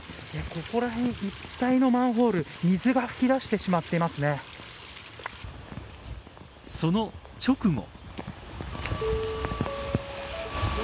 ここら辺一帯のマンホール水が噴き出してしまってその直後。